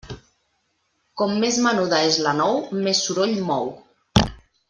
Com més menuda és la nou, més soroll mou.